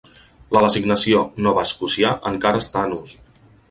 La designació 'novaescocià' encara està en ús.